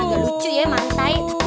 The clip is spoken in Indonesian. agak lucu ya mantai